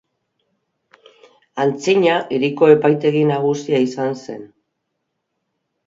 Antzina hiriko epaitegi nagusia izan zen.